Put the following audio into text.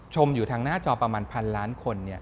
อยู่ทางหน้าจอประมาณพันล้านคน